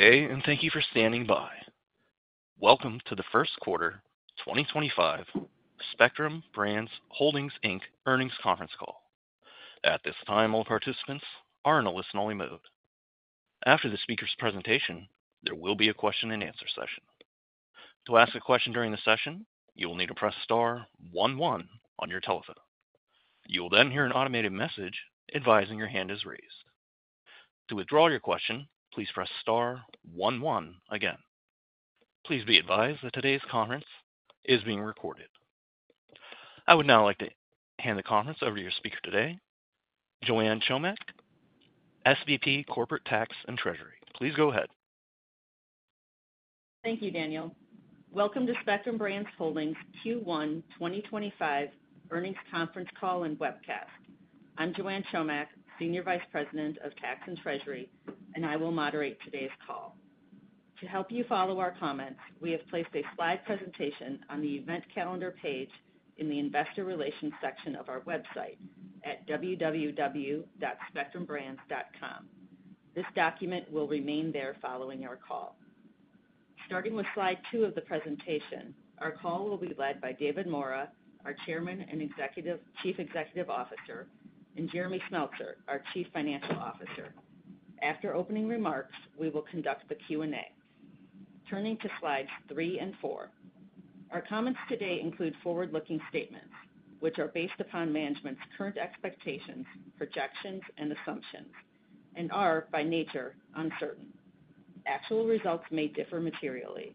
Good day, and thank you for standing by. Welcome to the First Quarter, 2025, Spectrum Brands Holdings, Inc Earnings Conference Call. At this time, all participants are in a listen-only mode. After the speaker's presentation, there will be a question-and-answer session. To ask a question during the session, you will need to press star one one on your telephone. You will then hear an automated message advising your hand is raised. To withdraw your question, please press star one one again. Please be advised that today's conference is being recorded. I would now like to hand the conference over to your speaker today, Joanne Chomiak, SVP Corporate Tax and Treasury. Please go ahead. Thank you, Daniel. Welcome to Spectrum Brands Holdings Q1 2025 Earnings Conference Call and webcast. I'm Joanne Chomiak, Senior Vice President of Tax and Treasury, and I will moderate today's call. To help you follow our comments, we have placed a slide presentation on the event calendar page in the investor relations section of our website at www.spectrumbrands.com. This document will remain there following our call. Starting with slide two of the presentation, our call will be led by David Maura, our Chairman and Chief Executive Officer, and Jeremy Smeltser, our Chief Financial Officer. After opening remarks, we will conduct the Q&A. Turning to slides three and four, our comments today include forward-looking statements, which are based upon management's current expectations, projections, and assumptions, and are, by nature, uncertain. Actual results may differ materially.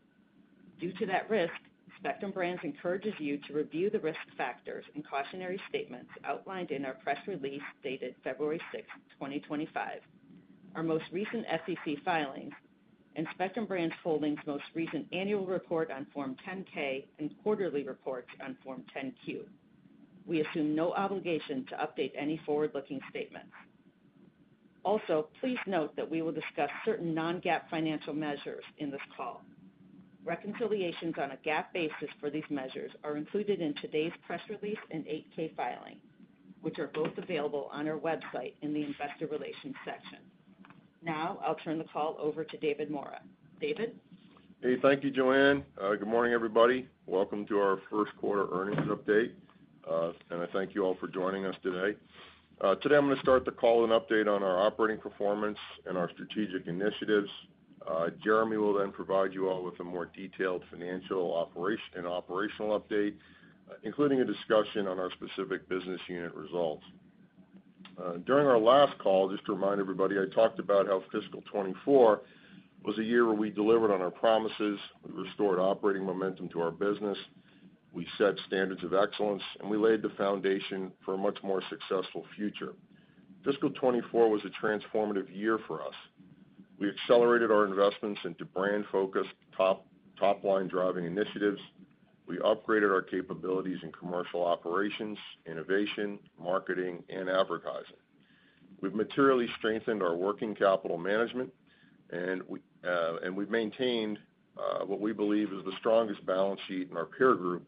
Due to that risk, Spectrum Brands encourages you to review the risk factors and cautionary statements outlined in our press release dated February 6, 2025, our most recent SEC filings, and Spectrum Brands Holdings' most recent annual report on Form 10-K and quarterly reports on Form 10-Q. We assume no obligation to update any forward-looking statements. Also, please note that we will discuss certain non-GAAP financial measures in this call. Reconciliations on a GAAP basis for these measures are included in today's press release and 8-K filing, which are both available on our website in the investor relations section. Now, I'll turn the call over to David Maura. David. Hey, thank you, Joanne. Good morning, everybody. Welcome to our first quarter earnings update and I thank you all for joining us today. Today, I'm going to start the call with an update on our operating performance and our strategic initiatives. Jeremy will then provide you all with a more detailed financial and operational update, including a discussion on our specific business unit results. During our last call, just to remind everybody, I talked about how fiscal 2024 was a year where we delivered on our promises. We restored operating momentum to our business. We set standards of excellence, and we laid the foundation for a much more successful future. Fiscal 2024 was a transformative year for us. We accelerated our investments into brand-focused, top-line driving initiatives. We upgraded our capabilities in commercial operations, innovation, marketing, and advertising. We've materially strengthened our working capital management, and we've maintained what we believe is the strongest balance sheet in our peer group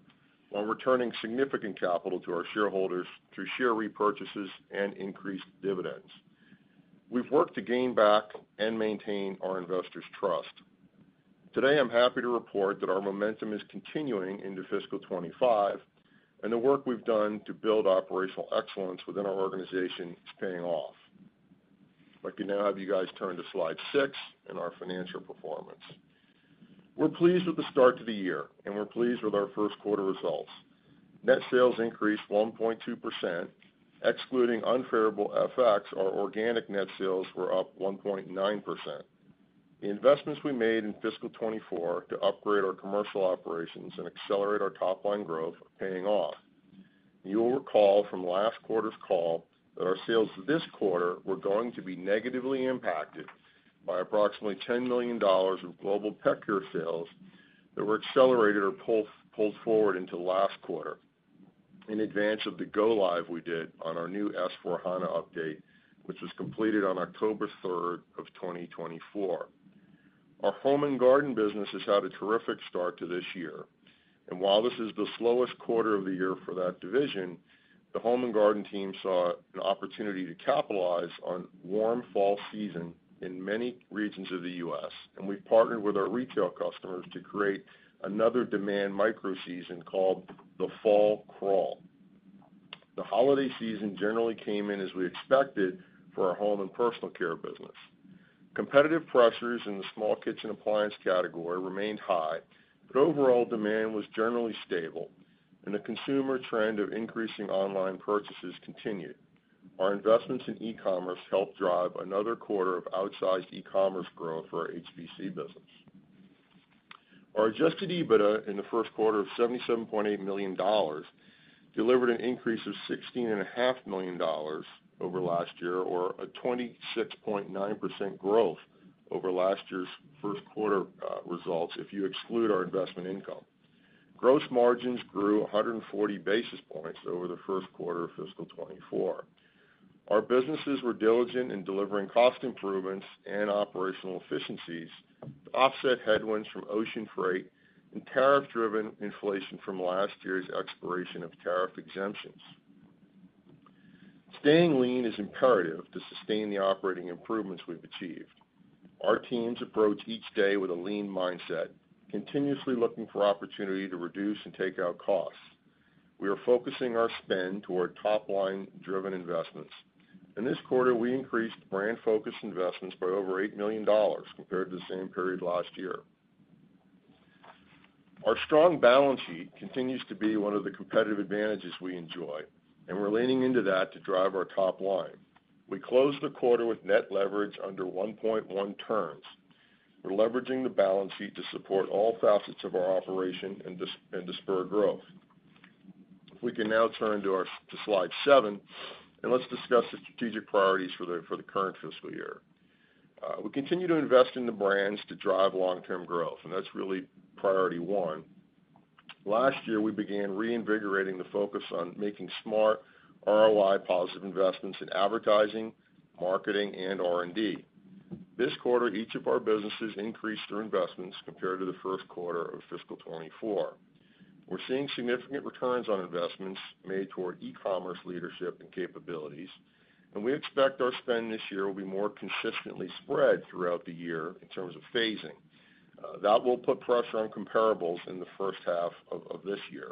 while returning significant capital to our shareholders through share repurchases and increased dividends. We've worked to gain back and maintain our investors' trust. Today, I'm happy to report that our momentum is continuing into fiscal 2025, and the work we've done to build operational excellence within our organization is paying off. I'd like to now have you guys turn to slide six in our financial performance. We're pleased with the start to the year, and we're pleased with our first quarter results. Net sales increased 1.2%. Excluding unfavorable FX, our organic net sales were up 1.9%. The investments we made in fiscal 2024 to upgrade our commercial operations and accelerate our top-line growth are paying off. You will recall from last quarter's call that our sales this quarter were going to be negatively impacted by approximately $10 million of Global Pet Care sales that were accelerated or pulled forward into last quarter in advance of the go-live we did on our new S/4HANA update, which was completed on October 3rd of 2024. Our Home & Garden business has had a terrific start to this year. And while this is the slowest quarter of the year for that division, the Home & Garden team saw an opportunity to capitalize on warm fall season in many regions of the U.S. And we've partnered with our retail customers to create another demand micro-season called the Fall Crawl. The holiday season generally came in as we expected for our Home and Personal Care business. Competitive pressures in the small kitchen appliance category remained high, but overall demand was generally stable, and the consumer trend of increasing online purchases continued. Our investments in e-commerce helped drive another quarter of outsized e-commerce growth for our HPC business. Our adjusted EBITDA in the first quarter of $77.8 million delivered an increase of $16.5 million over last year, or a 26.9% growth over last year's first quarter results if you exclude our investment income. Gross margins grew 140 basis points over the first quarter of fiscal 2024. Our businesses were diligent in delivering cost improvements and operational efficiencies to offset headwinds from ocean freight and tariff-driven inflation from last year's expiration of tariff exemptions. Staying lean is imperative to sustain the operating improvements we've achieved. Our teams approach each day with a lean mindset, continuously looking for opportunity to reduce and take out costs. We are focusing our spend toward top-line-driven investments. In this quarter, we increased brand-focused investments by over $8 million compared to the same period last year. Our strong balance sheet continues to be one of the competitive advantages we enjoy, and we're leaning into that to drive our top line. We closed the quarter with net leverage under 1.1 turns. We're leveraging the balance sheet to support all facets of our operation and to spur growth. We can now turn to slide seven, and let's discuss the strategic priorities for the current fiscal year. We continue to invest in the brands to drive long-term growth, and that's really priority one. Last year, we began reinvigorating the focus on making smart ROI-positive investments in advertising, marketing, and R&D. This quarter, each of our businesses increased their investments compared to the first quarter of fiscal 2024. We're seeing significant returns on investments made toward e-commerce leadership and capabilities, and we expect our spend this year will be more consistently spread throughout the year in terms of phasing. That will put pressure on comparables in the first half of this year.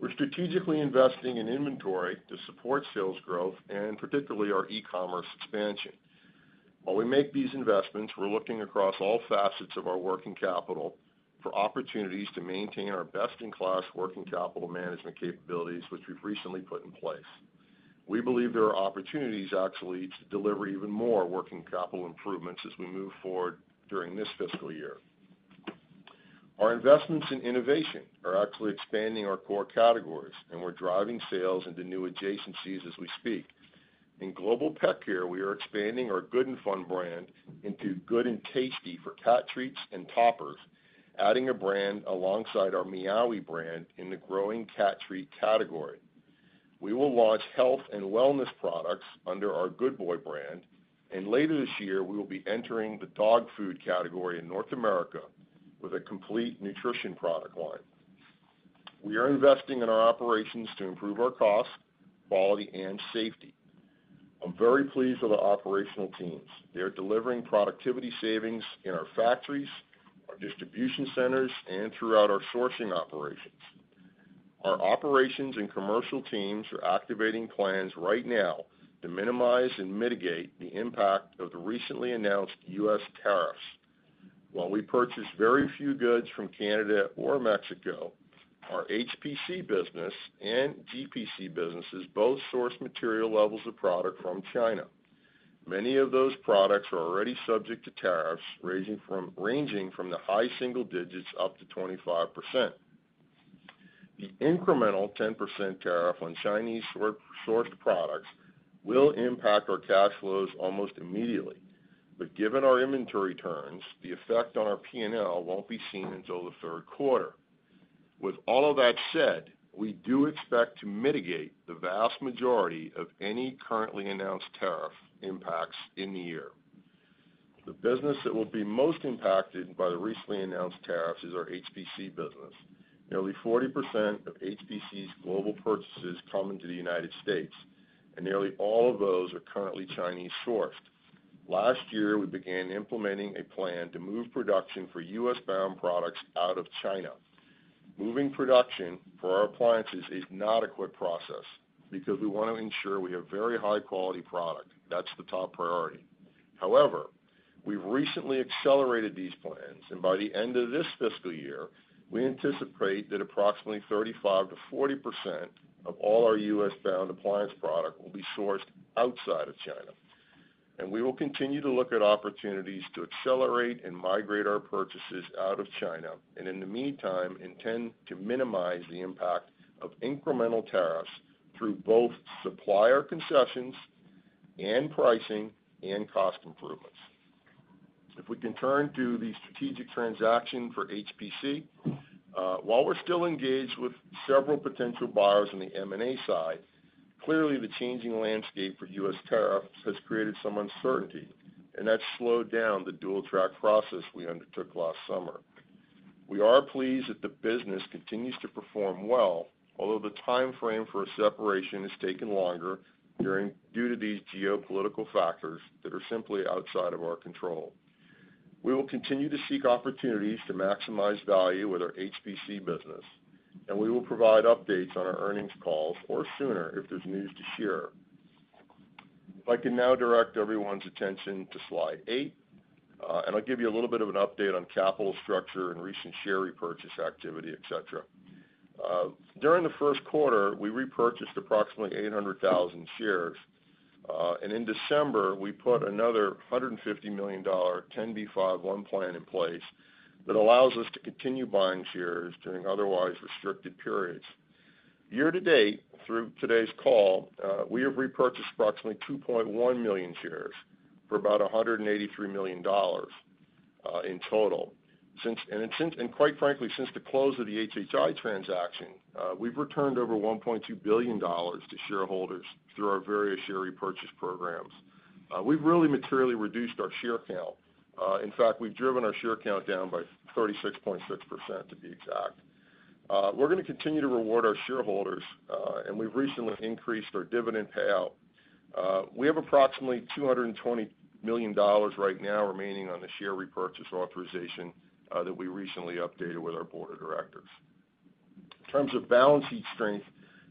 We're strategically investing in inventory to support sales growth and particularly our e-commerce expansion. While we make these investments, we're looking across all facets of our working capital for opportunities to maintain our best-in-class working capital management capabilities, which we've recently put in place. We believe there are opportunities, actually, to deliver even more working capital improvements as we move forward during this fiscal year. Our investments in innovation are actually expanding our core categories, and we're driving sales into new adjacencies as we speak. In Global Pet Care, we are expanding our Good 'n' Fun brand into Good 'n' Tasty for cat treats and toppers, adding a brand alongside our Meowee! brand in the growing cat treat category. We will launch health and wellness products under our Good Boy brand, and later this year, we will be entering the dog food category in North America with a complete nutrition product line. We are investing in our operations to improve our cost, quality, and safety. I'm very pleased with our operational teams. They are delivering productivity savings in our factories, our distribution centers, and throughout our sourcing operations. Our operations and commercial teams are activating plans right now to minimize and mitigate the impact of the recently announced U.S. tariffs. While we purchase very few goods from Canada or Mexico, our HPC business and GPC businesses both source material levels of product from China. Many of those products are already subject to tariffs ranging from the high single digits up to 25%. The incremental 10% tariff on Chinese-sourced products will impact our cash flows almost immediately, but given our inventory turns, the effect on our P&L won't be seen until the third quarter. With all of that said, we do expect to mitigate the vast majority of any currently announced tariff impacts in the year. The business that will be most impacted by the recently announced tariffs is our HPC business. Nearly 40% of HPC's global purchases come into the United States, and nearly all of those are currently Chinese-sourced. Last year, we began implementing a plan to move production for U.S.-bound products out of China. Moving production for our appliances is not a quick process because we want to ensure we have very high-quality product. That's the top priority. However, we've recently accelerated these plans, and by the end of this fiscal year, we anticipate that approximately 35%-40% of all our U.S.-bound appliance product will be sourced outside of China, and we will continue to look at opportunities to accelerate and migrate our purchases out of China, and in the meantime, intend to minimize the impact of incremental tariffs through both supplier concessions and pricing and cost improvements. If we can turn to the strategic transaction for HPC, while we're still engaged with several potential buyers on the M&A side, clearly, the changing landscape for U.S. tariffs has created some uncertainty, and that's slowed down the dual-track process we undertook last summer. We are pleased that the business continues to perform well, although the timeframe for a separation has taken longer due to these geopolitical factors that are simply outside of our control. We will continue to seek opportunities to maximize value with our HPC business, and we will provide updates on our earnings calls or sooner if there's news to share. If I can now direct everyone's attention to slide eight, and I'll give you a little bit of an update on capital structure and recent share repurchase activity, etc. During the first quarter, we repurchased approximately 800,000 shares, and in December, we put another $150 million 10b5-1 plan in place that allows us to continue buying shares during otherwise restricted periods. Year to date, through today's call, we have repurchased approximately 2.1 million shares for about $183 million in total, and quite frankly, since the close of the HHI transaction, we've returned over $1.2 billion to shareholders through our various share repurchase programs. We've really materially reduced our share count. In fact, we've driven our share count down by 36.6%, to be exact. We're going to continue to reward our shareholders, and we've recently increased our dividend payout. We have approximately $220 million right now remaining on the share repurchase authorization that we recently updated with our board of directors. In terms of balance sheet strength,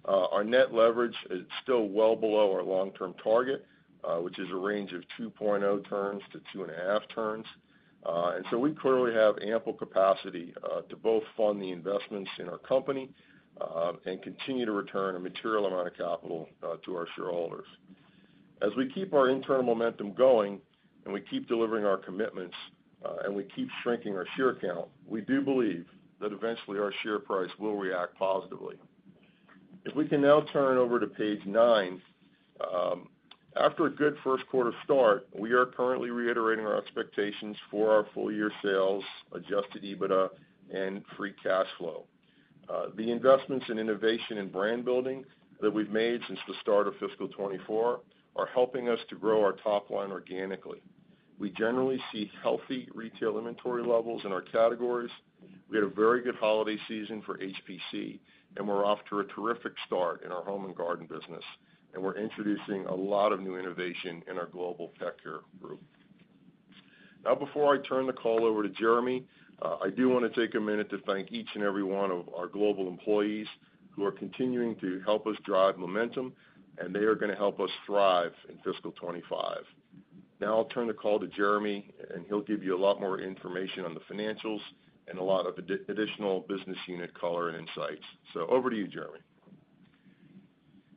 our net leverage is still well below our long-term target, which is a range of 2.0 turns to 2.5 turns. And so we clearly have ample capacity to both fund the investments in our company and continue to return a material amount of capital to our shareholders. As we keep our internal momentum going and we keep delivering our commitments and we keep shrinking our share count, we do believe that eventually our share price will react positively. If we can now turn over to page nine, after a good first quarter start, we are currently reiterating our expectations for our full-year sales, Adjusted EBITDA, and Free Cash Flow. The investments in innovation and brand building that we've made since the start of fiscal 2024 are helping us to grow our top line organically. We generally see healthy retail inventory levels in our categories. We had a very good holiday season for HPC, and we're off to a terrific start in our Home & Garden business, and we're introducing a lot of new innovation in our Global Pet Care group. Now, before I turn the call over to Jeremy, I do want to take a minute to thank each and every one of our global employees who are continuing to help us drive momentum, and they are going to help us thrive in fiscal 2025. Now I'll turn the call to Jeremy, and he'll give you a lot more information on the financials and a lot of additional business unit color and insights. So over to you, Jeremy.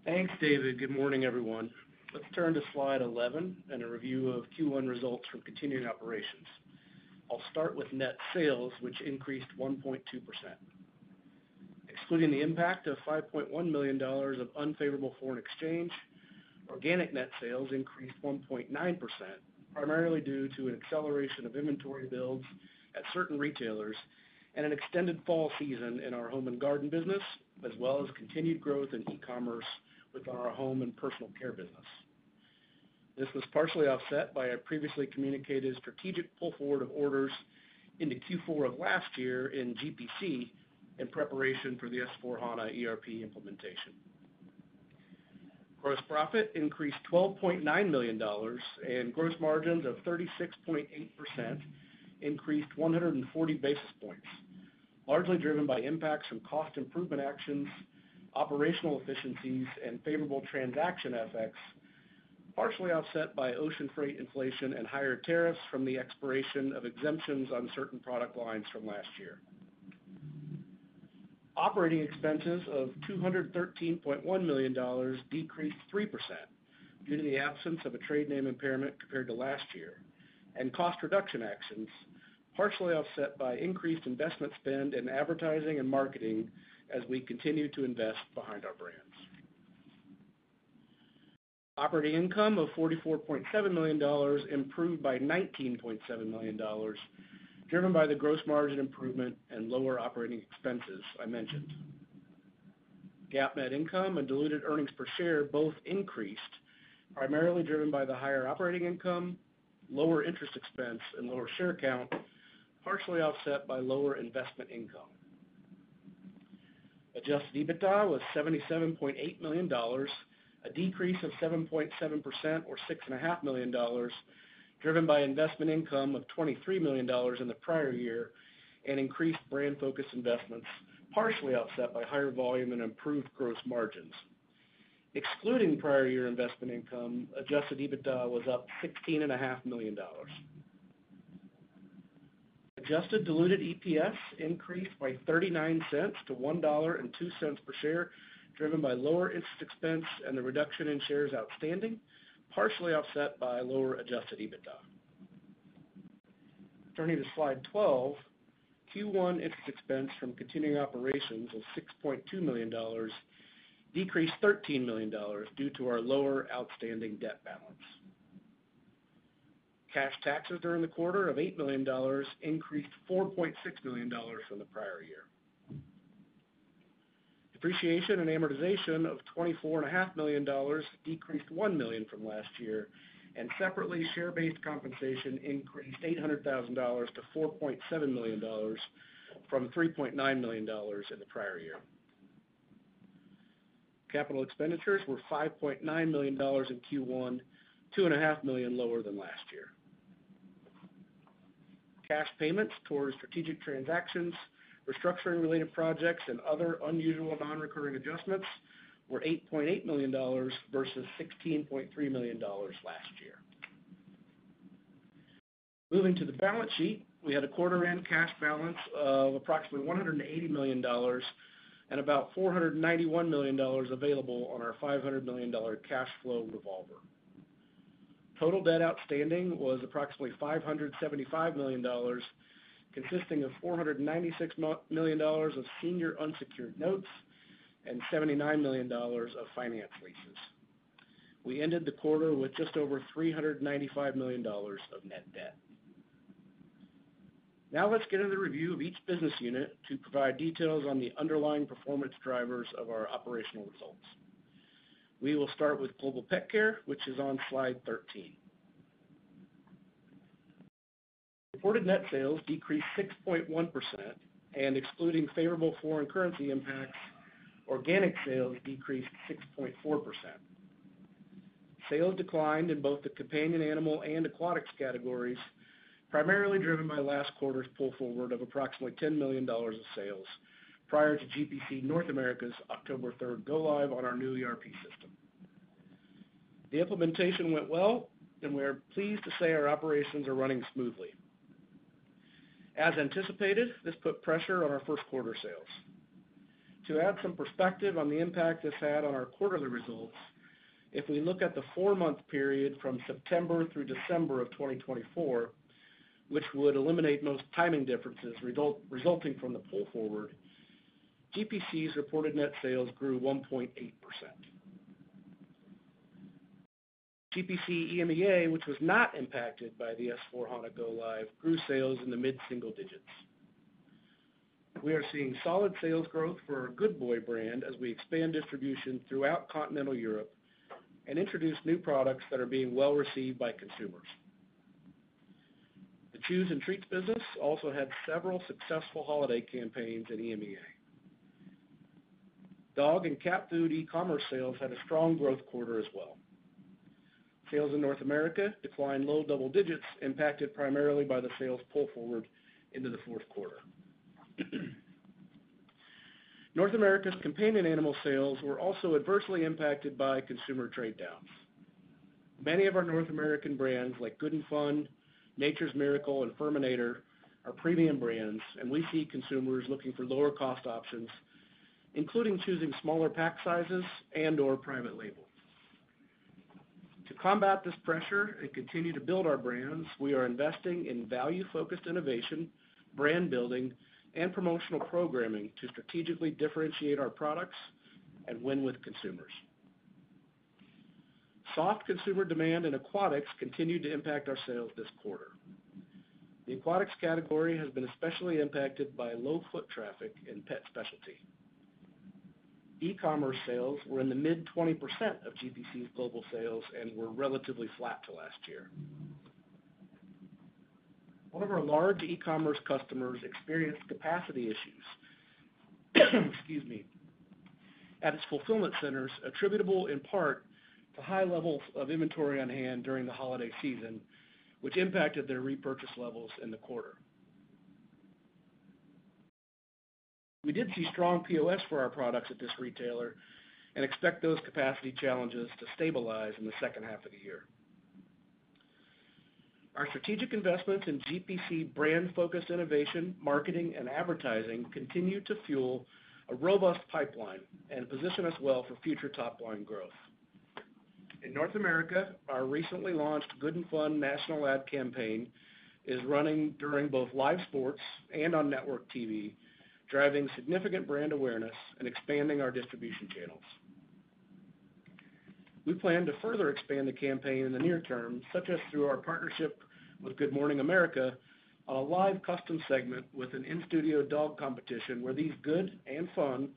Thanks, David. Good morning, everyone. Let's turn to slide 11 and a review of Q1 results from continuing operations. I'll start with net sales, which increased 1.2%. Excluding the impact of $5.1 million of unfavorable foreign exchange, organic net sales increased 1.9%, primarily due to an acceleration of inventory builds at certain retailers and an extended fall season in our Home & Garden business, as well as continued growth in e-commerce with our Home and Personal Care business. This was partially offset by a previously communicated strategic pull forward of orders into Q4 of last year in GPC in preparation for the S/4HANA ERP implementation. Gross profit increased $12.9 million, and gross margins of 36.8% increased 140 basis points, largely driven by impacts from cost improvement actions, operational efficiencies, and favorable transaction effects, partially offset by ocean freight inflation and higher tariffs from the expiration of exemptions on certain product lines from last year. Operating expenses of $213.1 million decreased 3% due to the absence of a trade name impairment compared to last year, and cost reduction actions, partially offset by increased investment spend in advertising and marketing as we continue to invest behind our brands. Operating income of $44.7 million improved by $19.7 million, driven by the gross margin improvement and lower operating expenses I mentioned. GAAP net income and diluted earnings per share both increased, primarily driven by the higher operating income, lower interest expense, and lower share count, partially offset by lower investment income. Adjusted EBITDA was $77.8 million, a decrease of 7.7% or $6.5 million, driven by investment income of $23 million in the prior year and increased brand-focused investments, partially offset by higher volume and improved gross margins. Excluding prior year investment income, adjusted EBITDA was up $16.5 million. Adjusted diluted EPS increased by $0.39 to $1.02 per share, driven by lower interest expense and the reduction in shares outstanding, partially offset by lower adjusted EBITDA. Turning to slide 12, Q1 interest expense from continuing operations of $6.2 million decreased $13 million due to our lower outstanding debt balance. Cash taxes during the quarter of $8 million increased $4.6 million from the prior year. Depreciation and amortization of $24.5 million decreased $1 million from last year, and separately, share-based compensation increased $800,000 to $4.7 million from $3.9 million in the prior year. Capital expenditures were $5.9 million in Q1, $2.5 million lower than last year. Cash payments towards strategic transactions, restructuring-related projects, and other unusual non-recurring adjustments were $8.8 million versus $16.3 million last year. Moving to the balance sheet, we had a quarter-end cash balance of approximately $180 million and about $491 million available on our $500 million cash flow revolver. Total debt outstanding was approximately $575 million, consisting of $496 million of senior unsecured notes and $79 million of finance leases. We ended the quarter with just over $395 million of net debt. Now let's get into the review of each business unit to provide details on the underlying performance drivers of our operational results. We will start with Global Pet Care, which is on slide 13. Reported net sales decreased 6.1%, and excluding favorable foreign currency impacts, organic sales decreased 6.4%. Sales declined in both the companion animal and aquatics categories, primarily driven by last quarter's pull forward of approximately $10 million of sales prior to GPC North America's October 3rd go-live on our new ERP system. The implementation went well, and we are pleased to say our operations are running smoothly. As anticipated, this put pressure on our first quarter sales. To add some perspective on the impact this had on our quarterly results, if we look at the four-month period from September through December of 2024, which would eliminate most timing differences resulting from the pull forward, GPC's reported net sales grew 1.8%. GPC EMEA, which was not impacted by the S/4HANA go-live, grew sales in the mid-single digits. We are seeing solid sales growth for our Good Boy brand as we expand distribution throughout continental Europe and introduce new products that are being well received by consumers. chews and treats business also had several successful holiday campaigns in EMEA. Dog and cat food e-commerce sales had a strong growth quarter as well. Sales in North America declined low double digits, impacted primarily by the sales pull forward into the fourth quarter. North America's companion animal sales were also adversely impacted by consumer trade downs. Many of our North American brands, like Good 'n' Fun, Nature's Miracle, and FURminator, are premium brands, and we see consumers looking for lower-cost options, including choosing smaller pack sizes and/or private label. To combat this pressure and continue to build our brands, we are investing in value-focused innovation, brand building, and promotional programming to strategically differentiate our products and win with consumers. Soft consumer demand in aquatics continued to impact our sales this quarter. The aquatics category has been especially impacted by low-foot traffic and pet specialty. E-commerce sales were in the mid-20% of GPC's global sales and were relatively flat to last year. One of our large e-commerce customers experienced capacity issues at its fulfillment centers, attributable in part to high levels of inventory on hand during the holiday season, which impacted their repurchase levels in the quarter. We did see strong POS for our products at this retailer and expect those capacity challenges to stabilize in the second half of the year. Our strategic investments in GPC brand-focused innovation, marketing, and advertising continue to fuel a robust pipeline and position us well for future top-line growth. In North America, our recently launched Good 'n' Fun National Ad Campaign is running during both live sports and on network TV, driving significant brand awareness and expanding our distribution channels. We plan to further expand the campaign in the near term, such as through our partnership with Good Morning America on a live custom segment with an in-studio dog competition where these Good 'n' Fun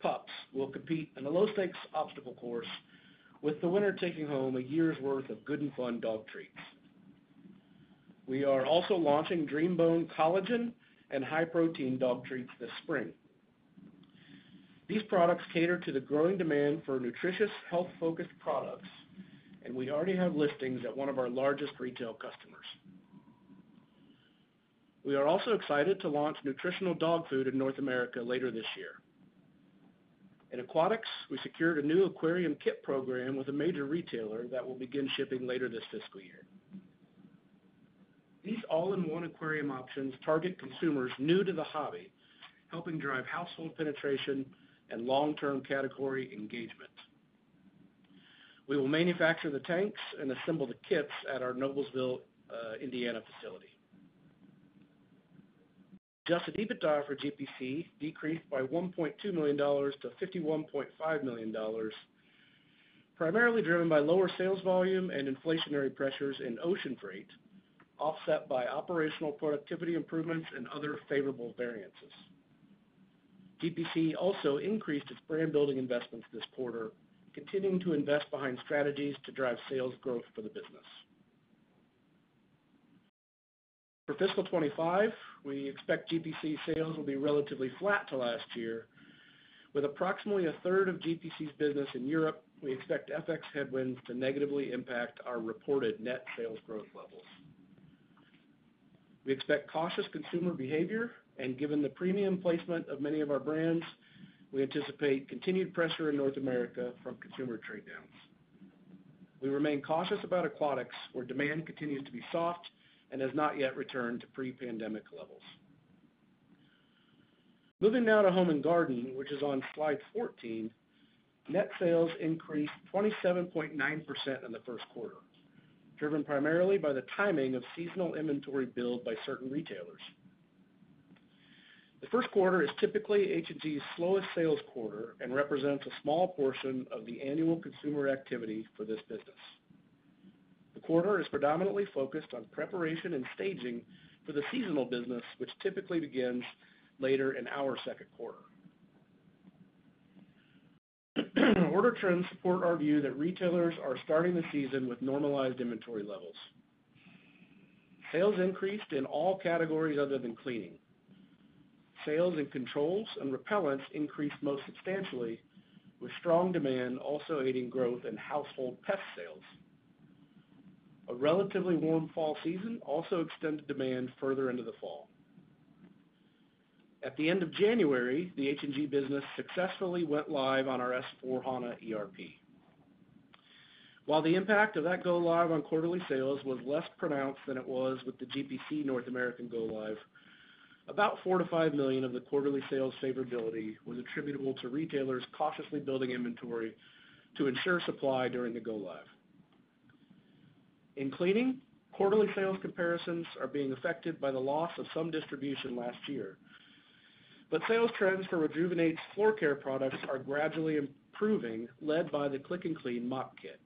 pups will compete in a low-stakes obstacle course, with the winner taking home a year's worth of Good 'n' Fun dog treats. We are also launching DreamBone Collagen and high-protein dog treats this spring. These products cater to the growing demand for nutritious, health-focused products, and we already have listings at one of our largest retail customers. We are also excited to launch nutritional dog food in North America later this year. In aquatics, we secured a new aquarium kit program with a major retailer that will begin shipping later this fiscal year. These all-in-one aquarium options target consumers new to the hobby, helping drive household penetration and long-term category engagement. We will manufacture the tanks and assemble the kits at our Noblesville, Indiana facility. Adjusted EBITDA for GPC decreased by $1.2 million to $51.5 million, primarily driven by lower sales volume and inflationary pressures in ocean freight, offset by operational productivity improvements and other favorable variances. GPC also increased its brand-building investments this quarter, continuing to invest behind strategies to drive sales growth for the business. For fiscal 2025, we expect GPC sales will be relatively flat to last year. With approximately a third of GPC's business in Europe, we expect FX headwinds to negatively impact our reported net sales growth levels. We expect cautious consumer behavior, and given the premium placement of many of our brands, we anticipate continued pressure in North America from consumer trade downs. We remain cautious about aquatics where demand continues to be soft and has not yet returned to pre-pandemic levels. Moving now to Home & Garden, which is on slide 14, net sales increased 27.9% in the first quarter, driven primarily by the timing of seasonal inventory build by certain retailers. The first quarter is typically H&G's slowest sales quarter and represents a small portion of the annual consumer activity for this business. The quarter is predominantly focused on preparation and staging for the seasonal business, which typically begins later in our second quarter. Order trends support our view that retailers are starting the season with normalized inventory levels. Sales increased in all categories other than cleaning. Sales in controls and repellents increased most substantially, with strong demand also aiding growth in household pet sales. A relatively warm fall season also extended demand further into the fall. At the end of January, the H&G business successfully went live on our S/4HANA ERP. While the impact of that go-live on quarterly sales was less pronounced than it was with the GPC North American go-live, about $4-$5 million of the quarterly sales favorability was attributable to retailers cautiously building inventory to ensure supply during the go-live. In cleaning, quarterly sales comparisons are being affected by the loss of some distribution last year, but sales trends for Rejuvenate's floor care products are gradually improving, led by the Click n Clean mop kit.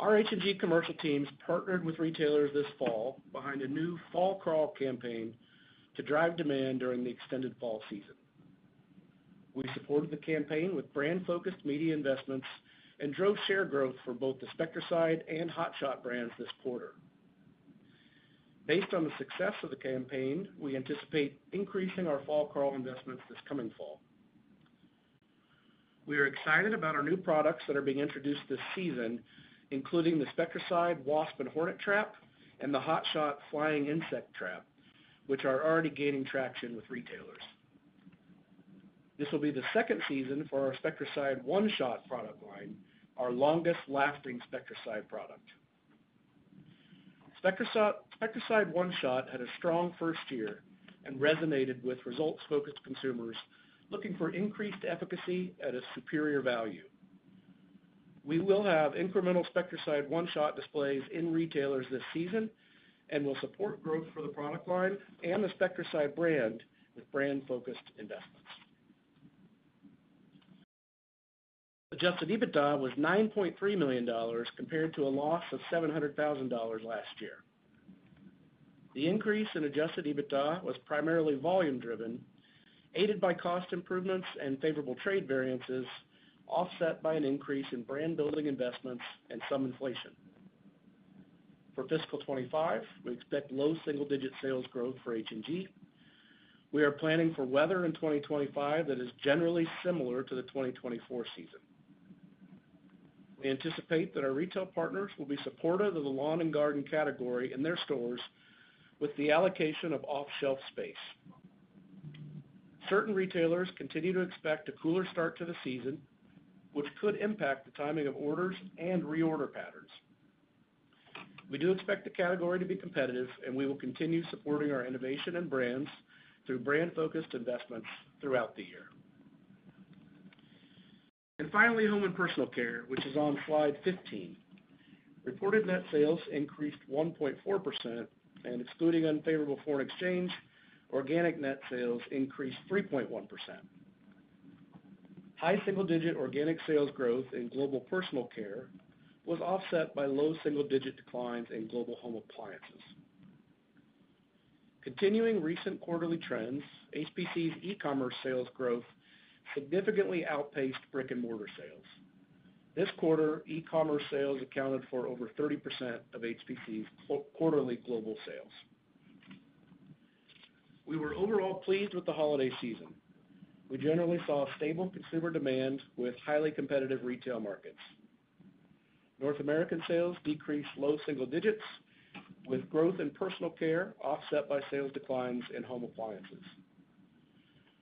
Our H&G commercial teams partnered with retailers this fall behind a new Fall Crawl campaign to drive demand during the extended fall season. We supported the campaign with brand-focused media investments and drove share growth for both the Spectracide and Hot Shot brands this quarter. Based on the success of the campaign, we anticipate increasing our Fall Crawl investments this coming fall. We are excited about our new products that are being introduced this season, including the Spectracide Wasp & Hornet Trap and the Hot Shot Flying Insect Trap, which are already gaining traction with retailers. This will be the second season for our Spectracide One-Shot product line, our longest-lasting Spectracide product. Spectracide One-Shot had a strong first year and resonated with results-focused consumers looking for increased efficacy at a superior value. We will have incremental Spectracide One-Shot displays in retailers this season and will support growth for the product line and the Spectracide brand with brand-focused investments. Adjusted EBITDA was $9.3 million compared to a loss of $700,000 last year. The increase in adjusted EBITDA was primarily volume-driven, aided by cost improvements and favorable trade variances, offset by an increase in brand-building investments and some inflation. For fiscal 2025, we expect low single-digit sales growth for H&G. We are planning for weather in 2025 that is generally similar to the 2024 season. We anticipate that our retail partners will be supportive of the lawn and garden category in their stores with the allocation of off-shelf space. Certain retailers continue to expect a cooler start to the season, which could impact the timing of orders and reorder patterns. We do expect the category to be competitive, and we will continue supporting our innovation and brands through brand-focused investments throughout the year. And finally, Home and Personal Care, which is on slide 15. Reported net sales increased 1.4%, and excluding unfavorable foreign exchange, organic net sales increased 3.1%. High single-digit organic sales growth in Global Personal Care was offset by low single-digit declines in Global Home Appliances. Continuing recent quarterly trends, HPC's e-commerce sales growth significantly outpaced brick-and-mortar sales. This quarter, e-commerce sales accounted for over 30% of HPC's quarterly global sales. We were overall pleased with the holiday season. We generally saw stable consumer demand with highly competitive retail markets. North American sales decreased low single digits, with growth in personal care offset by sales declines in home appliances.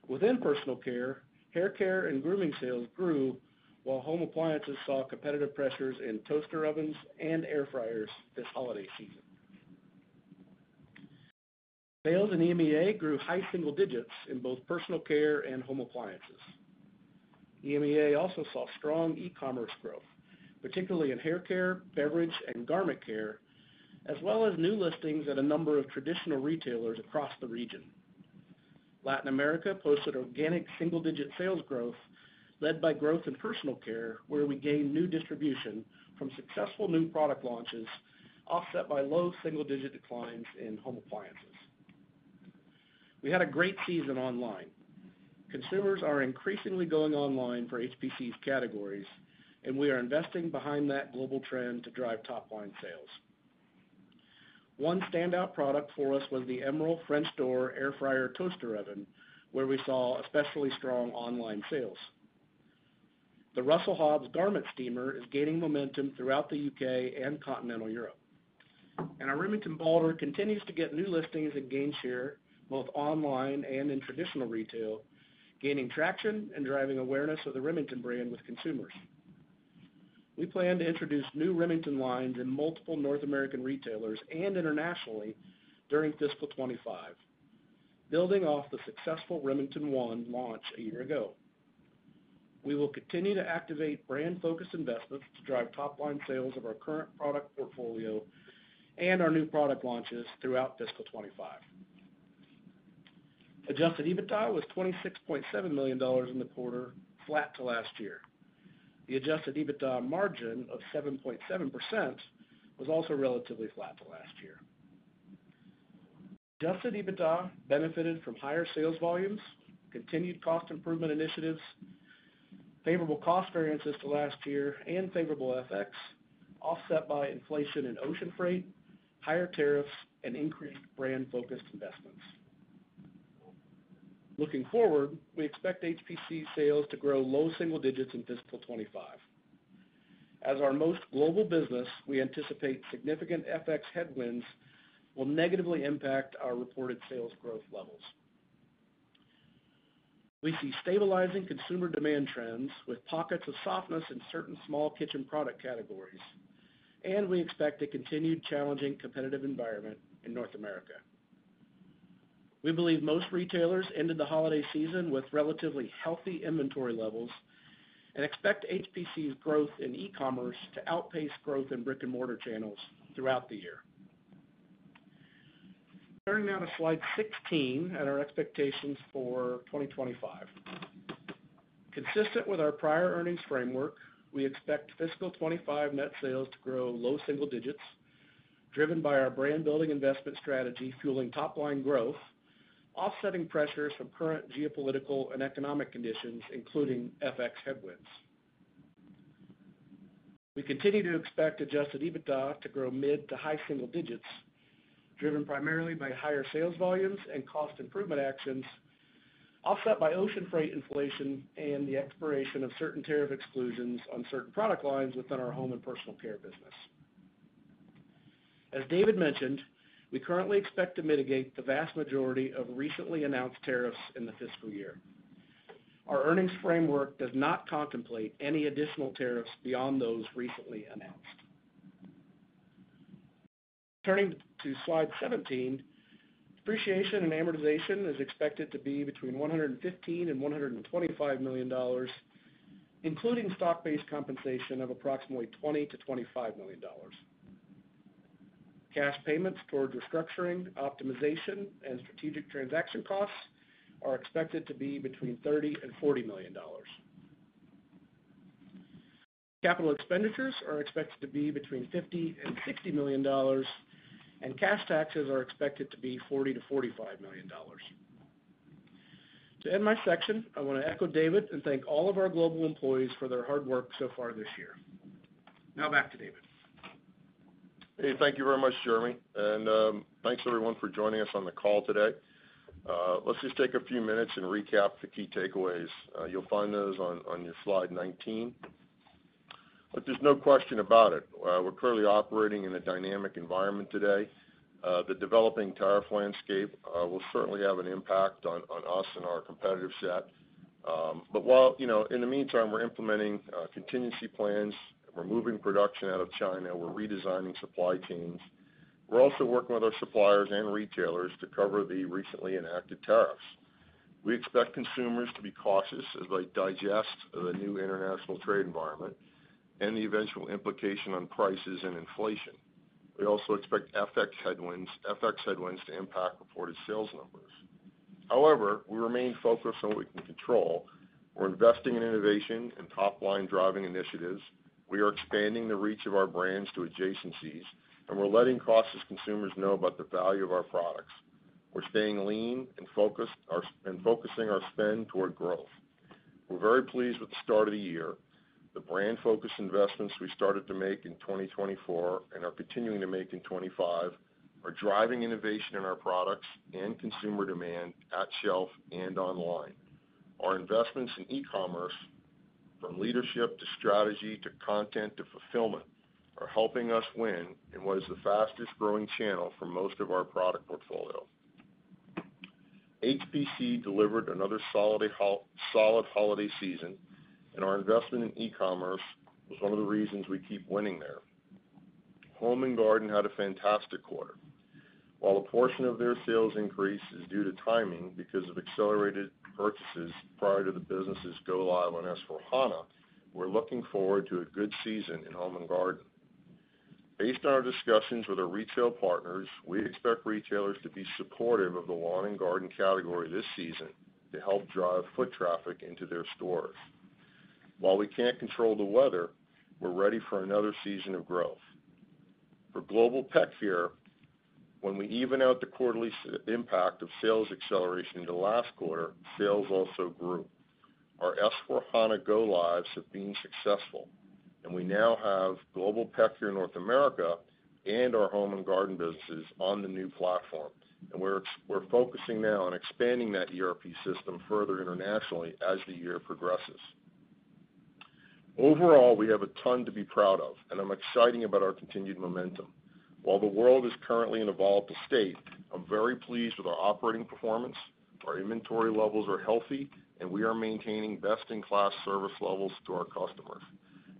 Within personal care, hair care and grooming sales grew, while home appliances saw competitive pressures in toaster ovens and air fryers this holiday season. Sales in EMEA grew high single digits in both personal care and home appliances. EMEA also saw strong e-commerce growth, particularly in hair care, beverage, and garment care, as well as new listings at a number of traditional retailers across the region. Latin America posted organic single-digit sales growth, led by growth in personal care, where we gained new distribution from successful new product launches, offset by low single-digit declines in home appliances. We had a great season online. Consumers are increasingly going online for HPC's categories, and we are investing behind that global trend to drive top-line sales. One standout product for us was the Emeril French Door Air Fryer Toaster Oven, where we saw especially strong online sales. The Russell Hobbs Garment Steamer is gaining momentum throughout the U.K. and continental Europe, and our Remington Balder continues to get new listings and gain share both online and in traditional retail, gaining traction and driving awareness of the Remington brand with consumers. We plan to introduce new Remington lines in multiple North American retailers and internationally during fiscal 2025, building off the successful Remington One launch a year ago. We will continue to activate brand-focused investments to drive top-line sales of our current product portfolio and our new product launches throughout fiscal 2025. Adjusted EBITDA was $26.7 million in the quarter, flat to last year. The adjusted EBITDA margin of 7.7% was also relatively flat to last year. Adjusted EBITDA benefited from higher sales volumes, continued cost improvement initiatives, favorable cost variances to last year, and favorable FX, offset by inflation in ocean freight, higher tariffs, and increased brand-focused investments. Looking forward, we expect HPC sales to grow low single digits in fiscal 2025. As our most global business, we anticipate significant FX headwinds will negatively impact our reported sales growth levels. We see stabilizing consumer demand trends with pockets of softness in certain small kitchen product categories, and we expect a continued challenging competitive environment in North America. We believe most retailers ended the holiday season with relatively healthy inventory levels and expect HPC's growth in e-commerce to outpace growth in brick-and-mortar channels throughout the year. Turning now to slide 16 and our expectations for 2025. Consistent with our prior earnings framework, we expect fiscal 2025 net sales to grow low single digits, driven by our brand-building investment strategy fueling top-line growth, offsetting pressures from current geopolitical and economic conditions, including FX headwinds. We continue to expect Adjusted EBITDA to grow mid to high single digits, driven primarily by higher sales volumes and cost improvement actions, offset by ocean freight inflation and the expiration of certain tariff exclusions on certain product lines within our Home and Personal Care business. As David mentioned, we currently expect to mitigate the vast majority of recently announced tariffs in the fiscal year. Our earnings framework does not contemplate any additional tariffs beyond those recently announced. Turning to slide 17, depreciation and amortization is expected to be between $115 and $125 million, including stock-based compensation of approximately $20 to $25 million. Cash payments toward restructuring, optimization, and strategic transaction costs are expected to be between $30 and $40 million. Capital expenditures are expected to be between $50 and $60 million, and cash taxes are expected to be $40 to $45 million. To end my section, I want to echo David and thank all of our global employees for their hard work so far this year. Now back to David. Hey, thank you very much, Jeremy. And thanks, everyone, for joining us on the call today. Let's just take a few minutes and recap the key takeaways. You'll find those on your slide 19. But there's no question about it. We're clearly operating in a dynamic environment today. The developing tariff landscape will certainly have an impact on us and our competitive set. But while in the meantime, we're implementing contingency plans, we're moving production out of China, we're redesigning supply chains, we're also working with our suppliers and retailers to cover the recently enacted tariffs. We expect consumers to be cautious as they digest the new international trade environment and the eventual implication on prices and inflation. We also expect FX headwinds to impact reported sales numbers. However, we remain focused on what we can control. We're investing in innovation and top-line driving initiatives. We are expanding the reach of our brands to adjacencies, and we're letting consumers know about the value of our products. We're staying lean and focusing our spend toward growth. We're very pleased with the start of the year. The brand-focused investments we started to make in 2024 and are continuing to make in 2025 are driving innovation in our products and consumer demand at shelf and online. Our investments in e-commerce, from leadership to strategy to content to fulfillment, are helping us win in what is the fastest-growing channel for most of our product portfolio. HPC delivered another solid holiday season, and our investment in e-commerce was one of the reasons we keep winning there. Home & Garden had a fantastic quarter. While a portion of their sales increase is due to timing because of accelerated purchases prior to the business's go-live on S/4HANA, we're looking forward to a good season in Home & Garden. Based on our discussions with our retail partners, we expect retailers to be supportive of the lawn and garden category this season to help drive foot traffic into their stores. While we can't control the weather, we're ready for another season of growth. For Global Pet Care, when we even out the quarterly impact of sales acceleration in the last quarter, sales also grew. Our S/4HANA go-lives have been successful, and we now have Global Pet Care in North America and our Home & Garden businesses on the new platform. We're focusing now on expanding that ERP system further internationally as the year progresses. Overall, we have a ton to be proud of, and I'm excited about our continued momentum. While the world is currently in a volatile state, I'm very pleased with our operating performance. Our inventory levels are healthy, and we are maintaining best-in-class service levels to our customers.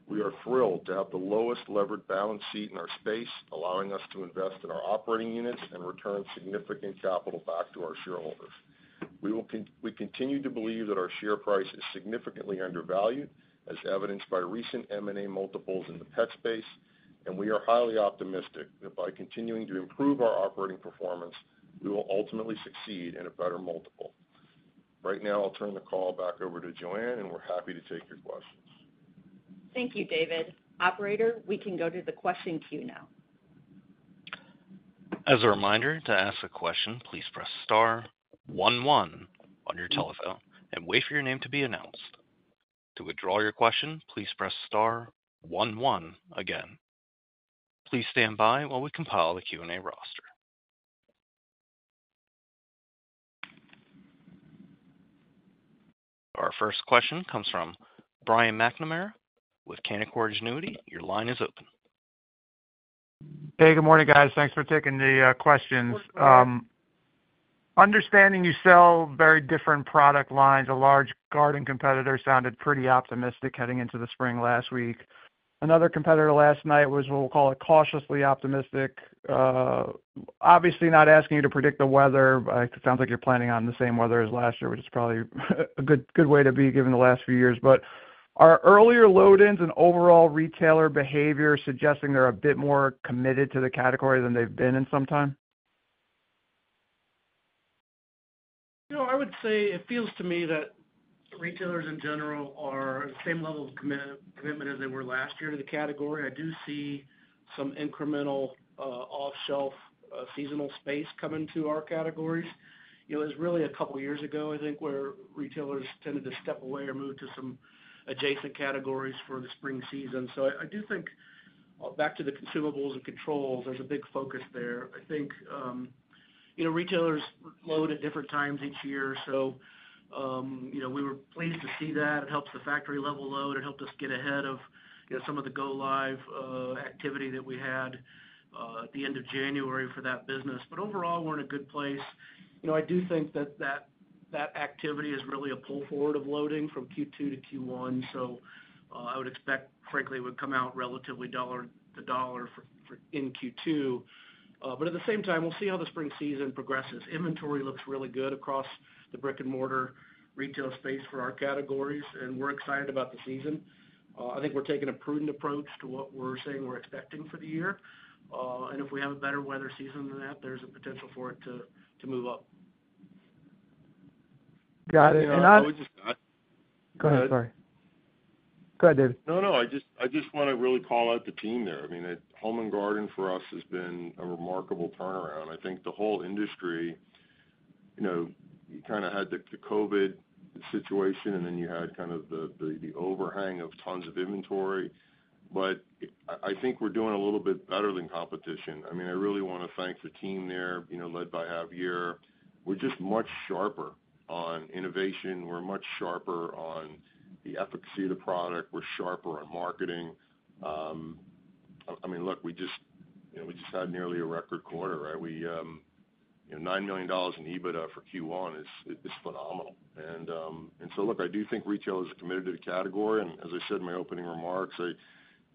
We are thrilled to have the lowest levered balance sheet in our space, allowing us to invest in our operating units and return significant capital back to our shareholders. We continue to believe that our share price is significantly undervalued, as evidenced by recent M&A multiples in the tech space, and we are highly optimistic that by continuing to improve our operating performance, we will ultimately succeed in a better multiple. Right now, I'll turn the call back over to Joanne, and we're happy to take your questions. Thank you, David. Operator, we can go to the question queue now. As a reminder, to ask a question, please press star one one on your telephone and wait for your name to be announced. To withdraw your question, please press star one one again. Please stand by while we compile the Q&A roster. Our first question comes from Brian McNamara with Canaccord Genuity. Your line is open. Hey, good morning, guys. Thanks for taking the questions. Understanding you sell very different product lines, a large garden competitor sounded pretty optimistic heading into the spring last week. Another competitor last night was what we'll call a cautiously optimistic. Obviously, not asking you to predict the weather. It sounds like you're planning on the same weather as last year, which is probably a good way to be given the last few years. But are earlier load-ins and overall retailer behavior suggesting they're a bit more committed to the category than they've been in some time? I would say it feels to me that retailers in general are at the same level of commitment as they were last year to the category. I do see some incremental off-shelf seasonal space coming to our categories. It was really a couple of years ago, I think, where retailers tended to step away or move to some adjacent categories for the spring season. So I do think back to the consumables and controls, there's a big focus there. I think retailers load at different times each year, so we were pleased to see that. It helps the factory level load. It helped us get ahead of some of the go-live activity that we had at the end of January for that business. But overall, we're in a good place. I do think that that activity is really a pull forward of loading from Q2 to Q1. So I would expect, frankly, it would come out relatively dollar to dollar in Q2. But at the same time, we'll see how the spring season progresses. Inventory looks really good across the brick-and-mortar retail space for our categories, and we're excited about the season. I think we're taking a prudent approach to what we're saying we're expecting for the year, and if we have a better weather season than that, there's a potential for it to move up. Got it. And I'll just. Go ahead. Sorry. Go ahead, David. No, no. I just want to really call out the team there. I mean, Home & Garden for us has been a remarkable turnaround. I think the whole industry kind of had the COVID situation, and then you had kind of the overhang of tons of inventory. But I think we're doing a little bit better than competition. I mean, I really want to thank the team there, led by Javier. We're just much sharper on innovation. We're much sharper on the efficacy of the product. We're sharper on marketing. I mean, look, we just had nearly a record quarter, right? $9 million in EBITDA for Q1 is phenomenal. And so, look, I do think retailers are committed to the category. And as I said in my opening remarks,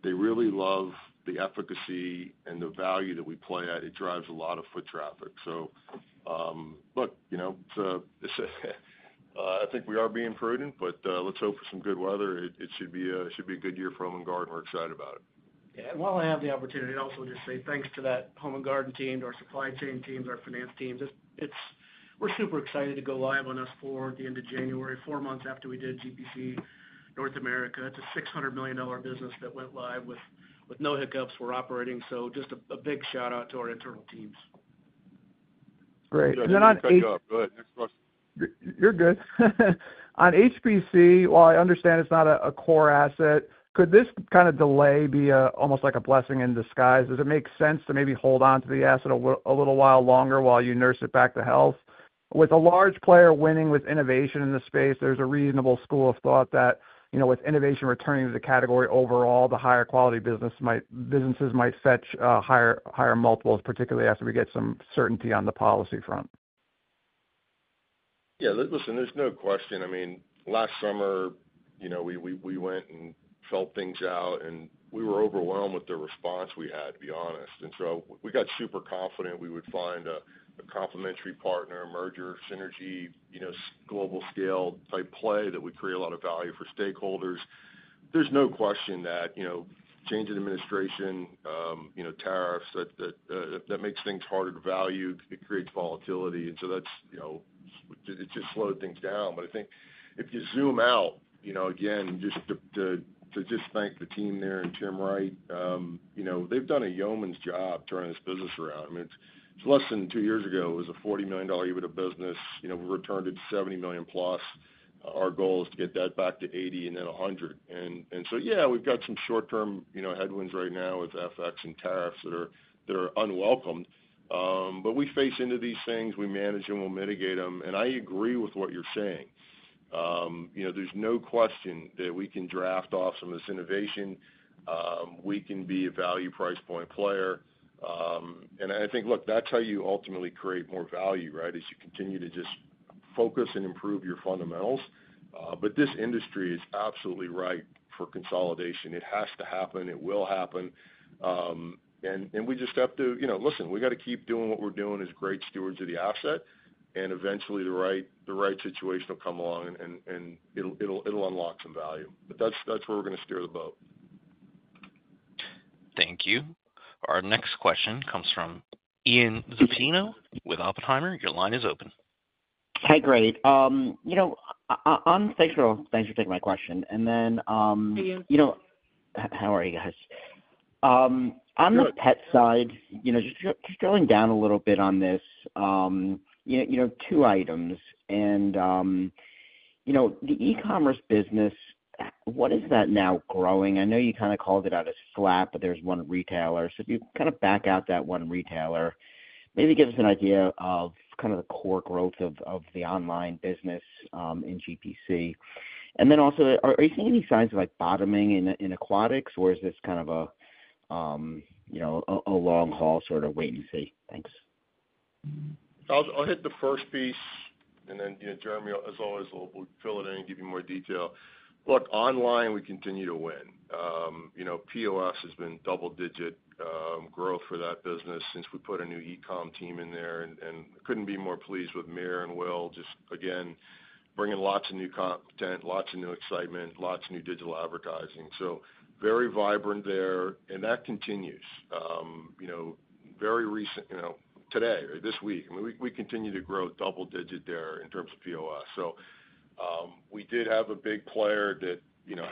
they really love the efficacy and the value that we play at. It drives a lot of foot traffic. So, look, I think we are being prudent, but let's hope for some good weather. It should be a good year for Home & Garden. We're excited about it. Yeah. And while I have the opportunity, I'd also just say thanks to that Home & Garden team, to our supply chain teams, our finance teams. We're super excited to go live on S/4 the end of January, four months after we did GPC North America. It's a $600 million business that went live with no hiccups. We're operating. So just a big shout-out to our internal teams. Great. And then on. Go ahead. Next question. You're good. On HPC, while I understand it's not a core asset, could this kind of delay be almost like a blessing in disguise? Does it make sense to maybe hold on to the asset a little while longer while you nurse it back to health? With a large player winning with innovation in the space, there's a reasonable school of thought that with innovation returning to the category overall, the higher quality businesses might fetch higher multiples, particularly after we get some certainty on the policy front. Yeah. Listen, there's no question. I mean, last summer, we went and felt things out, and we were overwhelmed with the response we had, to be honest. And so we got super confident we would find a complementary partner, a merger, synergy, global scale type play that would create a lot of value for stakeholders. There's no question that changing administration, tariffs, that makes things harder to value. It creates volatility. And so it just slowed things down. But I think if you zoom out, again, just to thank the team there and Tim Wright, they've done a yeoman's job turning this business around. I mean, it's less than two years ago, it was a $40 million EBITDA business. We returned it to $70 million plus. Our goal is to get that back to $80 million and then $100 million. And so, yeah, we've got some short-term headwinds right now with FX and tariffs that are unwelcome. But we face into these things. We manage them. We'll mitigate them. And I agree with what you're saying. There's no question that we can draft off some of this innovation. We can be a value price point player. And I think, look, that's how you ultimately create more value, right, is you continue to just focus and improve your fundamentals. But this industry is absolutely ripe for consolidation. It has to happen. It will happen. And we just have to listen. We got to keep doing what we're doing as great stewards of the asset. And eventually, the right situation will come along, and it'll unlock some value. But that's where we're going to steer the boat. Thank you. Our next question comes from Ian Zaffino with Oppenheimer. Your line is open. Hi, David (contextual). Thanks for taking my question. And then. Hey, Ian. How are you guys? On the pet side, just drilling down a little bit on this, two items. And the e-commerce business, what is that now growing? I know you kind of called it out as flat, but there's one retailer. So if you kind of back out that one retailer, maybe give us an idea of kind of the core growth of the online business in GPC. And then also, are you seeing any signs of bottoming in aquatics, or is this kind of a long-haul sort of wait and see? Thanks. I'll hit the first piece. And then, Jeremy, as always, we'll fill it in and give you more detail. Look, online, we continue to win. POS has been double-digit growth for that business since we put a new e-comm team in there. And couldn't be more pleased with Meera and Will, just again, bringing lots of new content, lots of new excitement, lots of new digital advertising. So very vibrant there. And that continues. Very recently, today, this week, we continue to grow double-digit there in terms of POS. So we did have a big player that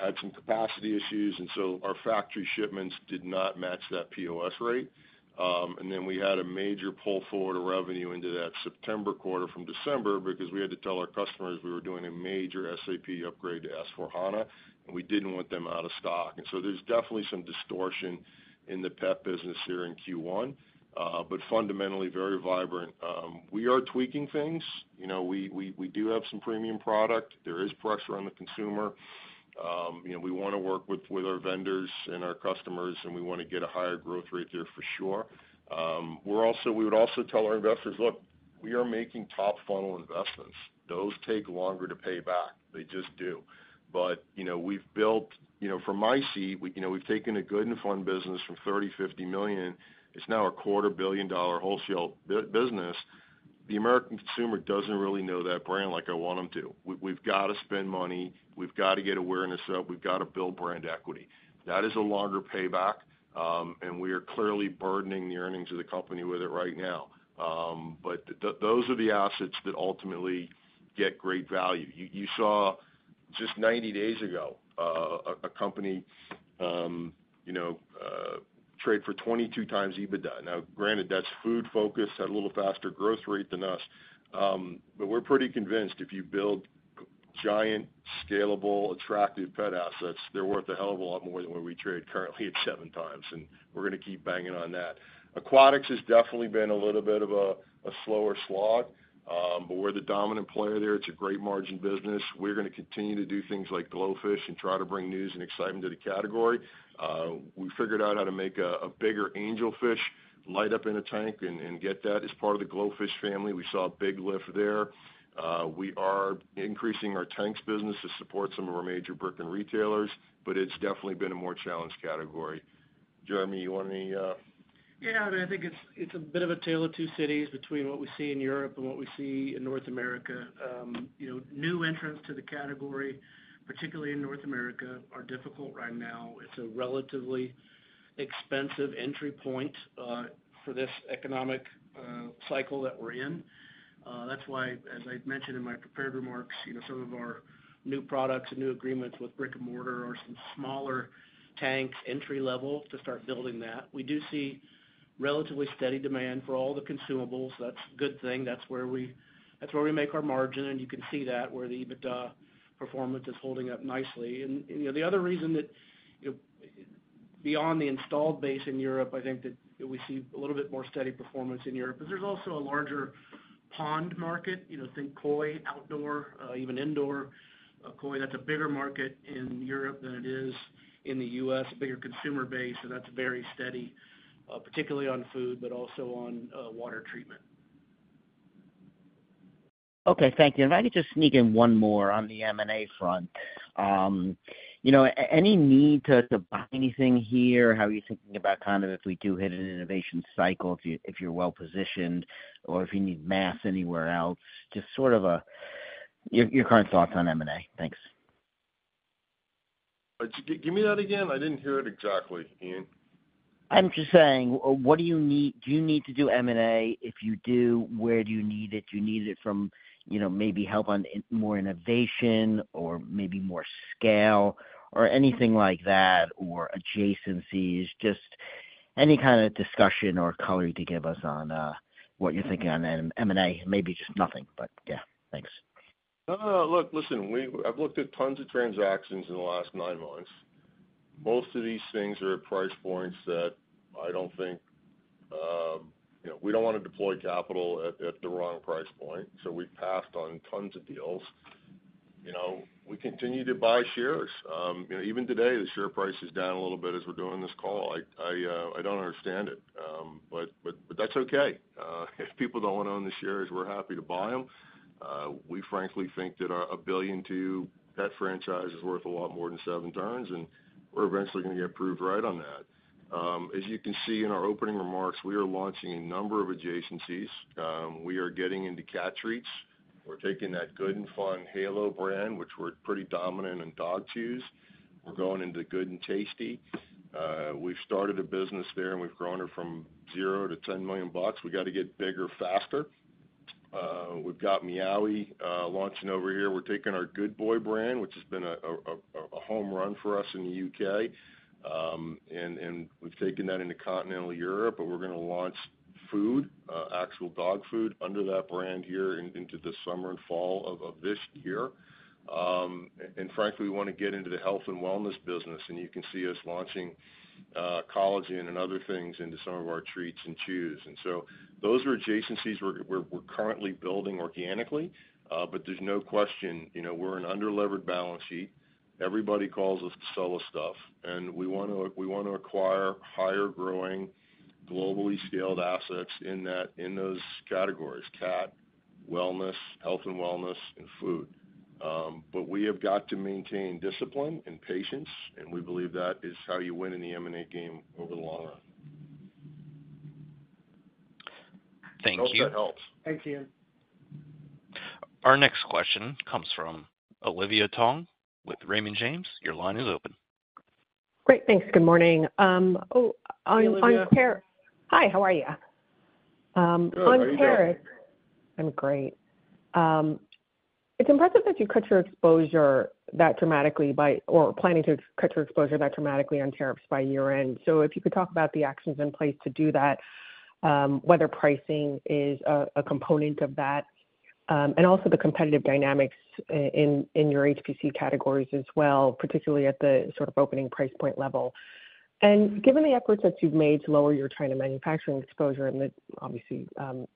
had some capacity issues. And so our factory shipments did not match that POS rate. And then we had a major pull forward of revenue into that September quarter from December because we had to tell our customers we were doing a major SAP upgrade to S/4HANA, and we didn't want them out of stock. And so there's definitely some distortion in the pet business here in Q1, but fundamentally, very vibrant. We are tweaking things. We do have some premium product. There is pressure on the consumer. We want to work with our vendors and our customers, and we want to get a higher growth rate there for sure. We would also tell our investors, "Look, we are making top-funnel investments. Those take longer to pay back. They just do." But we've built, from my seat, we've taken a Good 'n' Fun business from $30-$50 million. It's now a $250 million wholesale business. The American consumer doesn't really know that brand like I want them to. We've got to spend money. We've got to get awareness up. We've got to build brand equity. That is a longer payback. And we are clearly burdening the earnings of the company with it right now. But those are the assets that ultimately get great value. You saw just 90 days ago, a company trade for 22 times EBITDA. Now, granted, that's food-focused, had a little faster growth rate than us. But we're pretty convinced if you build giant, scalable, attractive pet assets, they're worth a hell of a lot more than what we trade currently at seven times. We're going to keep banging on that. Aquatics has definitely been a little bit of a slower slog, but we're the dominant player there. It's a great margin business. We're going to continue to do things like GloFish and try to bring news and excitement to the category. We figured out how to make a bigger angelfish light up in a tank and get that as part of the GloFish family. We saw a big lift there. We are increasing our tanks business to support some of our major brick-and-mortar retailers, but it's definitely been a more challenged category. Jeremy, you want any? Yeah. I mean, I think it's a bit of a tale of two cities between what we see in Europe and what we see in North America. New entrants to the category, particularly in North America, are difficult right now. It's a relatively expensive entry point for this economic cycle that we're in. That's why, as I mentioned in my prepared remarks, some of our new products and new agreements with brick-and-mortar are some smaller tanks entry-level to start building that. We do see relatively steady demand for all the consumables. That's a good thing. That's where we make our margin. And you can see that where the EBITDA performance is holding up nicely. And the other reason that beyond the installed base in Europe, I think that we see a little bit more steady performance in Europe, but there's also a larger pond market. Think koi, outdoor, even indoor koi. That's a bigger market in Europe than it is in the U.S., a bigger consumer base. And that's very steady, particularly on food, but also on water treatment. Okay. Thank you. If I could just sneak in one more on the M&A front. Any need to buy anything here? How are you thinking about kind of if we do hit an innovation cycle, if you're well-positioned, or if you need mass anywhere else? Just sort of your current thoughts on M&A. Thanks. Give me that again. I didn't hear it exactly, Ian. I'm just saying, what do you need? Do you need to do M&A? If you do, where do you need it? Do you need it from maybe help on more innovation or maybe more scale or anything like that or adjacencies? Just any kind of discussion or color you could give us on what you're thinking on M&A, maybe just nothing. But yeah, thanks. No, no, no. Look, listen, I've looked at tons of transactions in the last nine months. Most of these things are at price points that I don't think we don't want to deploy capital at the wrong price point. So we've passed on tons of deals. We continue to buy shares. Even today, the share price is down a little bit as we're doing this call. I don't understand it. But that's okay. If people don't want to own the shares, we're happy to buy them. We, frankly, think that a billion-two pet franchise is worth a lot more than seven turns, and we're eventually going to get proved right on that. As you can see in our opening remarks, we are launching a number of adjacencies. We are getting into cat treats. We're taking that Good 'n' Fun halo brand, which we're pretty dominant in dog chews. We're going into Good 'n' Tasty. We've started a business there, and we've grown it from $0 to $10 million. We got to get bigger faster. We've got Meowee! launching over here. We're taking our Good Boy brand, which has been a home run for us in the U.K., and we've taken that into continental Europe, but we're going to launch food, actual dog food, under that brand here into the summer and fall of this year. And frankly, we want to get into the health and wellness business. And you can see us launching collagen and other things into some of our treats and chews. And so those are adjacencies we're currently building organically, but there's no question we're an under-levered balance sheet. Everybody calls us to sell us stuff, and we want to acquire higher-growing, globally scaled assets in those categories: cat, wellness, health and wellness, and food. But we have got to maintain discipline and patience. We believe that is how you win in the M&A game over the long run. Thank you. Hope that helps. Thanks, Ian. Our next question comes from Olivia Tong with Raymond James. Your line is open. Great. Thanks. Good morning. Hi. How are you? I'm great. It's impressive that you cut your exposure that dramatically or planning to cut your exposure that dramatically on tariffs by year-end. So if you could talk about the actions in place to do that, whether pricing is a component of that, and also the competitive dynamics in your HPC categories as well, particularly at the sort of opening price point level. Given the efforts that you've made to lower your China manufacturing exposure and the obviously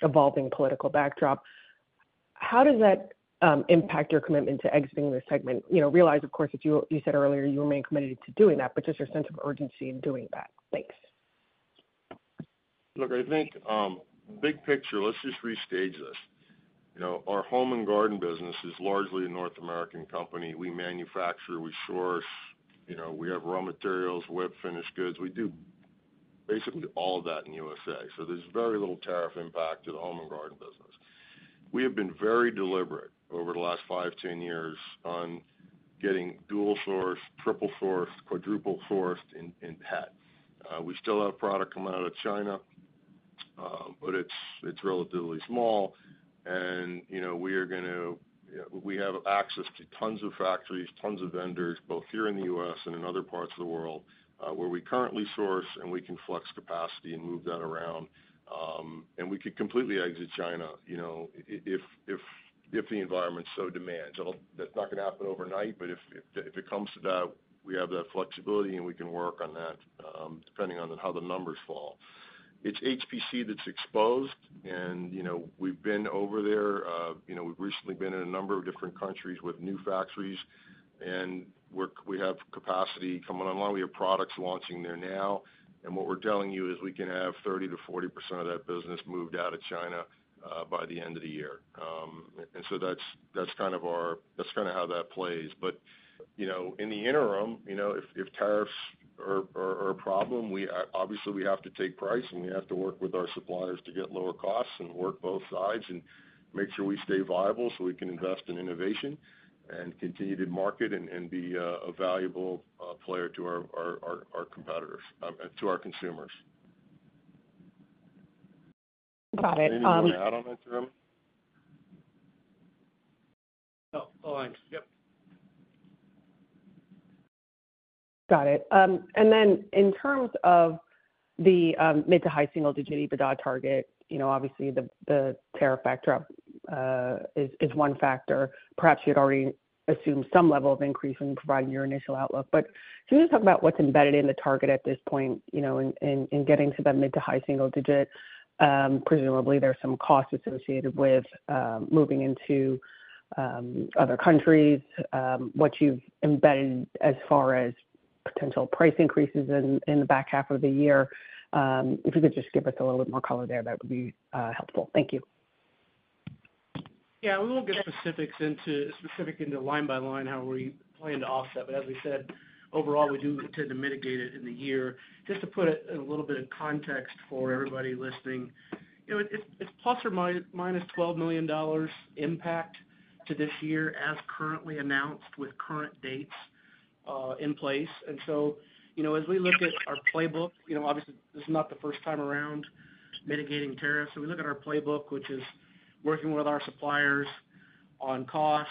evolving political backdrop, how does that impact your commitment to exiting the segment? Realize, of course, you said earlier you remain committed to doing that, but just your sense of urgency in doing that. Thanks. Look, I think big picture, let's just restage this. Our Home & Garden business is largely a North American company. We manufacture, we source, we have raw materials, we have finished goods. We do basically all of that in the USA. So there's very little tariff impact to the Home & Garden business. We have been very deliberate over the last five, 10 years on getting dual-sourced, triple-sourced, quadruple-sourced in pet. We still have product coming out of China, but it's relatively small, and we are going to have access to tons of factories, tons of vendors, both here in the US and in other parts of the world, where we currently source, and we can flex capacity and move that around. We could completely exit China if the environment so demands. That's not going to happen overnight, but if it comes to that, we have that flexibility, and we can work on that depending on how the numbers fall. It's HPC that's exposed, and we've been over there. We've recently been in a number of different countries with new factories, and we have capacity coming online. We have products launching there now. What we're telling you is we can have 30%-40% of that business moved out of China by the end of the year. So that's kind of how that plays. But in the interim, if tariffs are a problem, obviously, we have to take price, and we have to work with our suppliers to get lower costs and work both sides and make sure we stay viable so we can invest in innovation and continue to market and be a valuable player to our competitors and to our consumers. Got it. Anything from that on that, Jeremy? Oh, I'm sorry. Yep. Got it. And then in terms of the mid to high single-digit EBITDA target, obviously, the tariff factor is one factor. Perhaps you had already assumed some level of increase when you provided your initial outlook. But if you just talk about what's embedded in the target at this point in getting to that mid- to high-single-digit, presumably, there's some cost associated with moving into other countries, what you've embedded as far as potential price increases in the back half of the year. If you could just give us a little bit more color there, that would be helpful. Thank you. Yeah. We will get specifics into line by line how we plan to offset. But as we said, overall, we do intend to mitigate it in the year. Just to put a little bit of context for everybody listening, it's plus or minus $12 million impact to this year as currently announced with current dates in place. And so as we look at our playbook, obviously, this is not the first time around mitigating tariffs. So we look at our playbook, which is working with our suppliers on cost,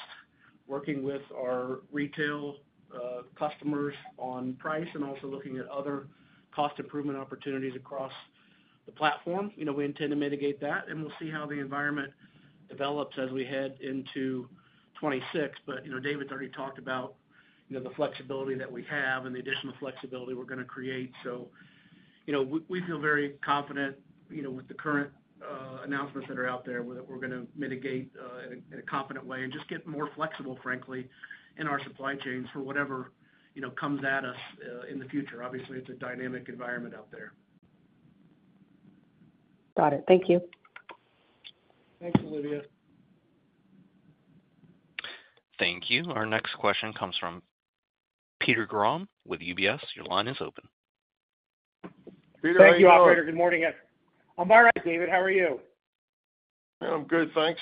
working with our retail customers on price, and also looking at other cost improvement opportunities across the platform. We intend to mitigate that, and we'll see how the environment develops as we head into 2026. But David's already talked about the flexibility that we have and the additional flexibility we're going to create. So we feel very confident with the current announcements that are out there that we're going to mitigate in a confident way and just get more flexible, frankly, in our supply chains for whatever comes at us in the future. Obviously, it's a dynamic environment out there. Got it. Thank you. Thanks, Olivia. Thank you. Our next question comes from Peter Grom with UBS. Your line is open. Peter, how are you? Thank you, Operator. Good morning. I'm all right, David. How are you? I'm good. Thanks.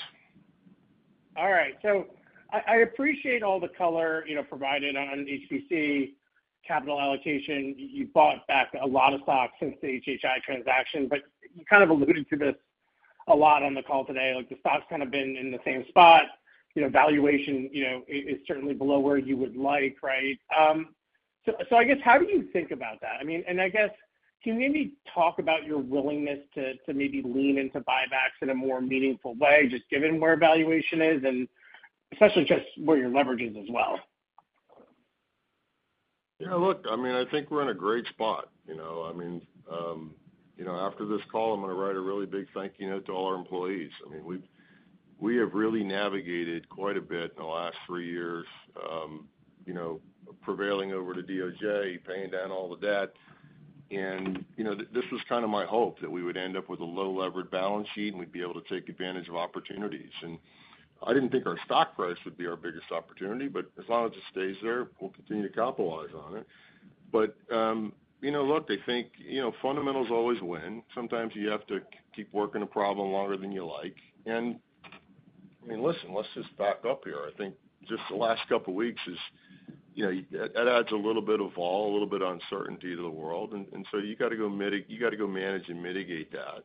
All right. So I appreciate all the color provided on HPC capital allocation. You bought back a lot of stock since the HHI transaction. But you kind of alluded to this a lot on the call today. The stock's kind of been in the same spot. Valuation is certainly below where you would like, right? So I guess, how do you think about that? I mean, and I guess, can you maybe talk about your willingness to maybe lean into buybacks in a more meaningful way, just given where valuation is and especially just where your leverage is as well? Yeah. Look, I mean, I think we're in a great spot. I mean, after this call, I'm going to write a really big thank-you note to all our employees. I mean, we have really navigated quite a bit in the last three years, prevailing over the DOJ, paying down all the debt, and this was kind of my hope that we would end up with a low-levered balance sheet and we'd be able to take advantage of opportunities, and I didn't think our stock price would be our biggest opportunity, but as long as it stays there, we'll continue to capitalize on it but look, they think fundamentals always win. Sometimes you have to keep working a problem longer than you like, and I mean, listen, let's just back up here. I think just the last couple of weeks, that adds a little bit of all, a little bit of uncertainty to the world, and so you got to go manage and mitigate that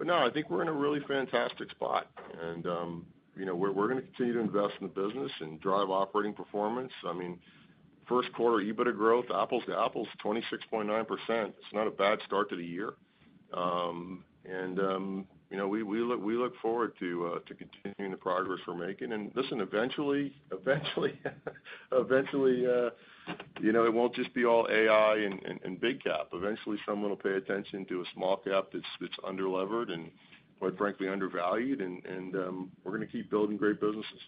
but no, I think we're in a really fantastic spot. And we're going to continue to invest in the business and drive operating performance. I mean, first quarter EBITDA growth, apples to apples, 26.9%. It's not a bad start to the year. And we look forward to continuing the progress we're making. And listen, eventually, it won't just be all AI and big cap. Eventually, someone will pay attention to a small cap that's under-levered and, quite frankly, undervalued. And we're going to keep building great businesses.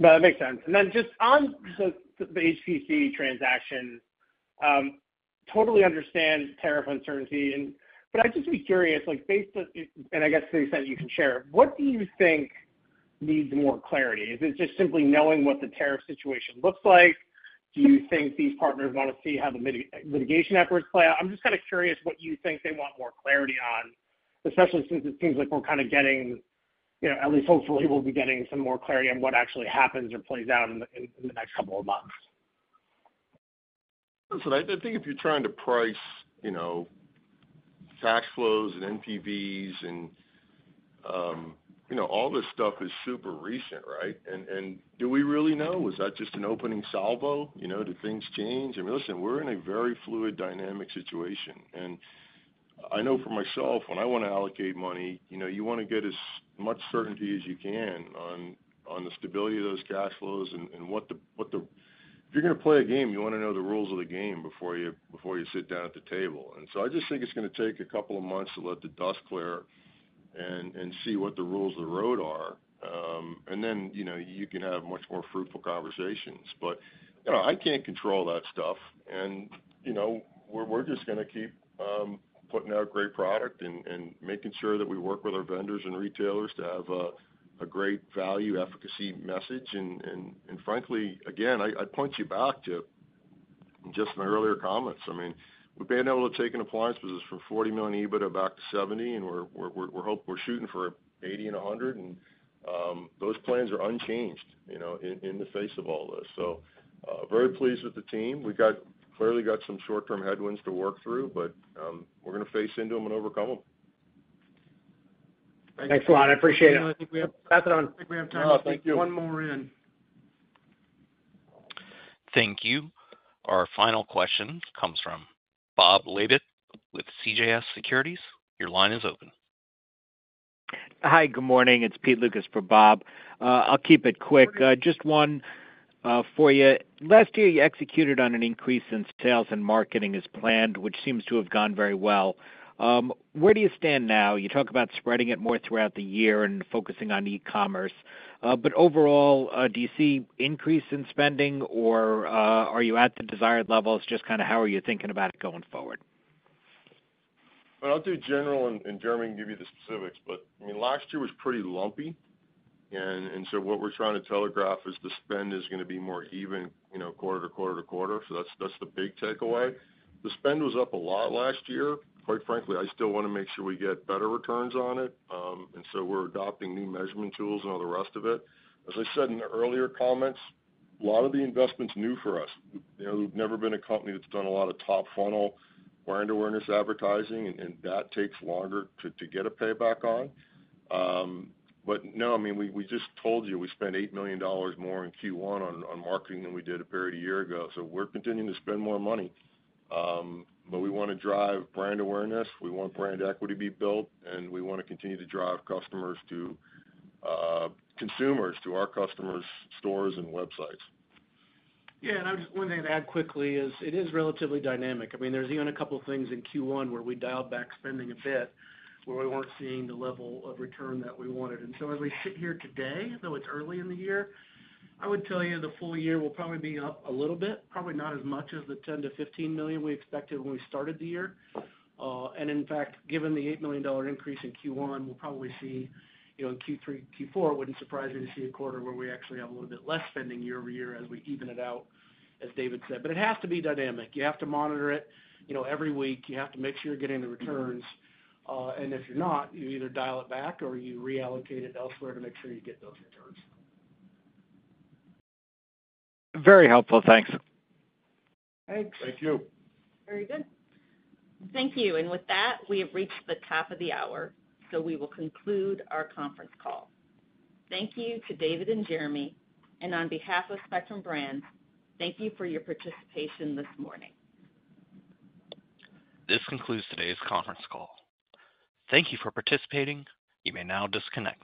That makes sense. And then just on the HPC transaction, totally understand tariff uncertainty. But I'd just be curious, based on, and I guess to the extent you can share, what do you think needs more clarity? Is it just simply knowing what the tariff situation looks like? Do you think these partners want to see how the mitigation efforts play out? I'm just kind of curious what you think they want more clarity on, especially since it seems like we're kind of getting, at least hopefully, we'll be getting some more clarity on what actually happens or plays out in the next couple of months. Listen, I think if you're trying to price cash flows and NPVs and all this stuff is super recent, right? And do we really know? Is that just an opening salvo? Do things change? I mean, listen, we're in a very fluid, dynamic situation. And I know for myself, when I want to allocate money, you want to get as much certainty as you can on the stability of those cash flows and what the, if you're going to play a game, you want to know the rules of the game before you sit down at the table. And so I just think it's going to take a couple of months to let the dust clear and see what the rules of the road are. And then you can have much more fruitful conversations. But I can't control that stuff. And we're just going to keep putting out great product and making sure that we work with our vendors and retailers to have a great value-efficacy message. And frankly, again, I point you back to just my earlier comments. I mean, we've been able to take an appliance business from $40 million EBITDA back to $70 million, and we're shooting for $80 million and $100 million. And those plans are unchanged in the face of all this. So very pleased with the team. We've clearly got some short-term headwinds to work through, but we're going to face into them and overcome them. Thanks a lot. I appreciate it. I think we have time for one more in. Thank you. Our final question comes from Bob Labick with CJS Securities. Your line is open. Hi. Good morning. It's Pete Lucas for Bob. I'll keep it quick. Just one for you. Last year, you executed on an increase in sales and marketing as planned, which seems to have gone very well. Where do you stand now? You talk about spreading it more throughout the year and focusing on e-commerce. But overall, do you see an increase in spending, or are you at the desired levels? Just kind of how are you thinking about it going forward? I'll do general and Jeremy can give you the specifics. But I mean, last year was pretty lumpy. And so what we're trying to telegraph is the spend is going to be more even quarter to quarter to quarter. So that's the big takeaway. The spend was up a lot last year. Quite frankly, I still want to make sure we get better returns on it. And so we're adopting new measurement tools and all the rest of it. As I said in the earlier comments, a lot of the investment's new for us. We've never been a company that's done a lot of top-funnel brand awareness advertising, and that takes longer to get a payback on. But no, I mean, we just told you we spent $8 million more in Q1 on marketing than we did a period a year ago. So we're continuing to spend more money. But we want to drive brand awareness. We want brand equity to be built, and we want to continue to drive customers to consumers, to our customers' stores and websites. Yeah. And one thing to add quickly is it is relatively dynamic. I mean, there's even a couple of things in Q1 where we dialed back spending a bit where we weren't seeing the level of return that we wanted. And so as we sit here today, though it's early in the year, I would tell you the full year will probably be up a little bit, probably not as much as the $10 million-$15 million we expected when we started the year. And in fact, given the $8 million increase in Q1, we'll probably see in Q3, Q4. It wouldn't surprise me to see a quarter where we actually have a little bit less spending year over year as we even it out, as David said. But it has to be dynamic. You have to monitor it every week. You have to make sure you're getting the returns. And if you're not, you either dial it back or you reallocate it elsewhere to make sure you get those returns. Very helpful. Thanks. Thanks. Thank you. Very good. Thank you. And with that, we have reached the top of the hour. So we will conclude our conference call. Thank you to David and Jeremy. And on behalf of Spectrum Brands, thank you for your participation this morning. This concludes today's conference call. Thank you for participating. You may now disconnect.